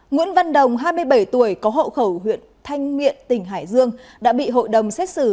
nguyễn văn đồng hai mươi bảy tuổi có hậu khẩu huyện thanh miện tỉnh hải dương đã bị hội đồng xét xử